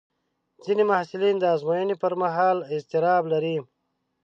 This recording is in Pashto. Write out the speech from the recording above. ځینې محصلین د ازموینې پر مهال اضطراب لري.